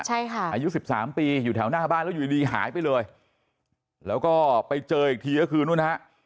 ใช่ค่ะอายุสิบสามปีอยู่แถวหน้าบ้านแล้วอยู่ดีดีหายไปเลยแล้วก็ไปเจออีกทีก็คือนู่นฮะ